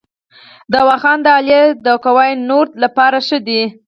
د واخان دهلیز د کوه نوردۍ لپاره ښه دی؟